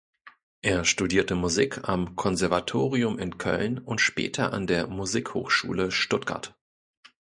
Er studierte Musik am Konservatorium in Köln und später an der Musikhochschule Stuttgart.